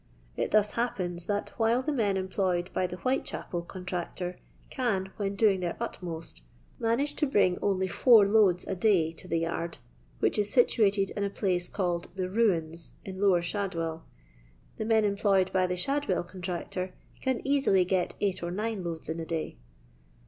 It thus happens that while the men employed by the Wlutechapel contractor can, when doing dieir utmost, manage to bring only four loads a day to the yard, which is situated in a pb^e called the '* ruins " in Lower Shadwell, the moi employed by the Shadwell contractor can easily get eight or nine loads in a day.